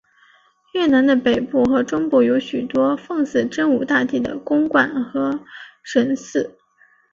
越南的北部和中部有许多奉祀真武大帝的宫观和神祠。